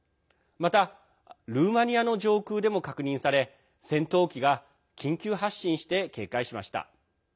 また、ルーマニアの上空でも確認され戦闘機が緊急発進して警戒しました。